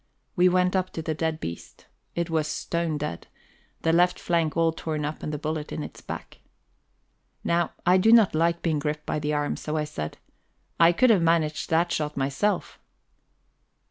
We went up to the dead beast. It was stone dead, the left flank all torn up and the bullet in its back. Now I do not like being gripped by the arm, so I said: "I could have managed that shot myself."